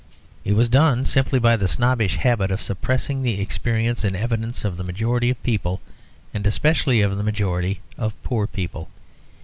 It was done simply by the snobbish habit of suppressing the experience and evidence of the majority of people, and especially of the majority of poor people.